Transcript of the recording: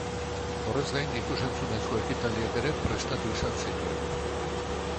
Horrez gain, ikus-entzunezko ekitaldiak ere prestatu izan zituen.